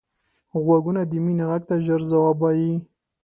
غوږونه د مینې غږ ته ژر ځواب وايي